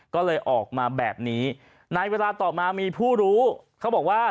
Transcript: ก็เลยออกมาแบบนี้ในเวลาต่อมามีผู้รู้เขาบอกว่า